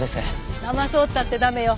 だまそうったって駄目よ。